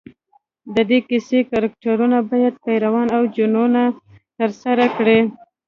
د دې کیسې کرکټرونه باید پیریان او جنونه ترسره کړي.